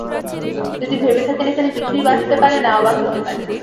যদি ভেবে থাকেন এখানে কিছুই বাঁচতে পারে না, অবাক হতে পারেন।